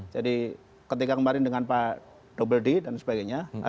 jadi ketika kemarin dengan pak dobeldy dan sebagainya